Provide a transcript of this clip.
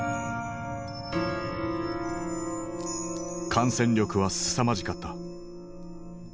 感染力はすさまじかった。